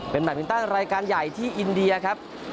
เป็นแบบติดตั้งรายการใหญ่ที่อินเดียครับ